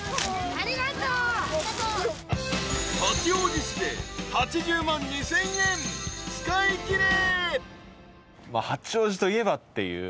［八王子市で８０万２，０００円使いきれ］